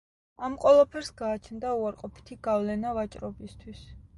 ამ ყველაფერს გააჩნდა უარყოფითი გავლენა ვაჭრობისთვის.